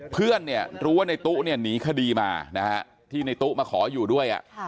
เพื่อนรู้ว่าในตู้หนีคดีมาที่ในตู้มาขออยู่ด้วย